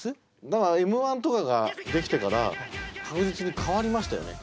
だから「Ｍ−１」とかができてから確実に変わりましたよね。